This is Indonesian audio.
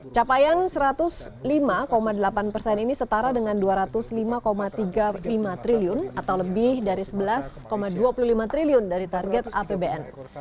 capaian satu ratus lima delapan persen ini setara dengan dua ratus lima tiga puluh lima triliun atau lebih dari sebelas dua puluh lima triliun dari target apbn